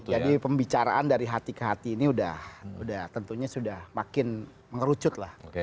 jadi pembicaraan dari hati ke hati ini sudah tentunya sudah makin mengerucut lah